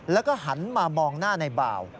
แล้วก็หันมามองหน้าในบ่าว